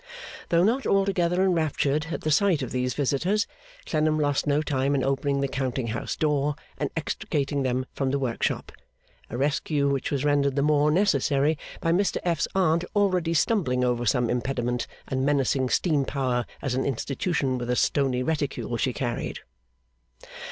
Though not altogether enraptured at the sight of these visitors, Clennam lost no time in opening the counting house door, and extricating them from the workshop; a rescue which was rendered the more necessary by Mr F.'s Aunt already stumbling over some impediment, and menacing steam power as an Institution with a stony reticule she carried.